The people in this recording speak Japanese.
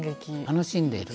楽しんでいる。